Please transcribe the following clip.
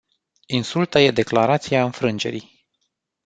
Insulta e declarația înfrângerii.